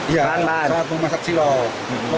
iya saat mau masak cilok